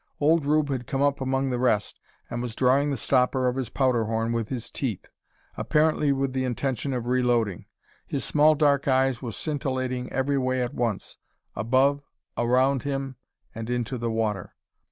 Old Rube had come up among the rest, and was drawing the stopper of his powder horn with his teeth, apparently with the intention of reloading. His small dark eyes were scintillating every way at once: above, around him, and into the water.